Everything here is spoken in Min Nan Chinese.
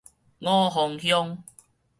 五峰鄉